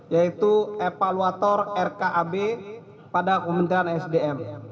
yaitu evaluator rkab pada kementerian sdm